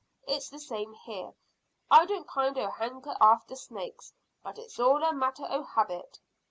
It's the same here, I don't kind o' hanker arter snake; but it's all a matter o' habit."